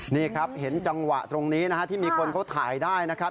นี่ครับเห็นจังหวะตรงนี้นะฮะที่มีคนเขาถ่ายได้นะครับ